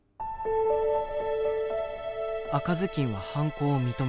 赤ずきんは犯行を認めている。